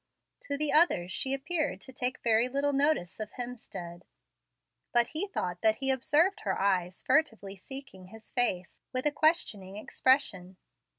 To the others she appeared to take very little notice of Hemstead; but he thought that he observed her eyes furtively seeking his face, with a questioning expression.